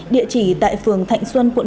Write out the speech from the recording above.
địa chỉ tại phường thạnh xuân hồ chí minh